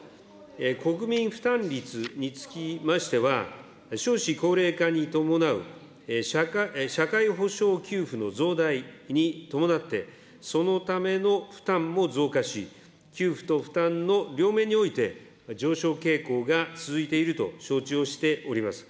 国民負担率につきましては、少子高齢化に伴う社会保障給付の増大に伴って、そのための負担も増加し、給付と負担の両面において、上昇傾向が続いていると承知をしております。